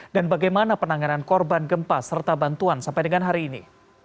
dan bagaimana penanganan korban gempa serta bantuan sampai dengan hari ini